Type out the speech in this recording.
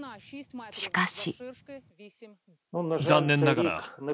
しかし。